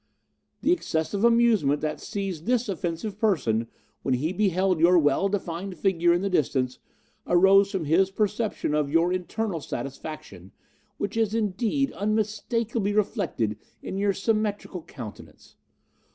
The excessive amusement that seized this offensive person when he beheld your well defined figure in the distance arose from his perception of your internal satisfaction, which is, indeed, unmistakably reflected in your symmetrical countenance.